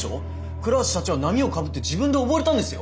倉橋社長は波をかぶって自分で溺れたんですよ！